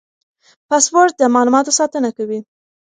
پاسورډ د معلوماتو ساتنه کوي.